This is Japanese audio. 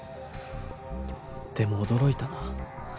でも驚いたな。